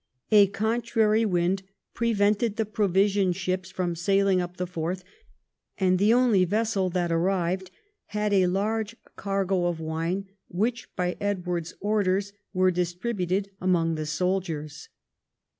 A contrary wind prevented the provision ships from sailing up the Forth, and the only vessel that arrived had a large cargo of wine which, by Edward's orders, was distributed among the soldiers.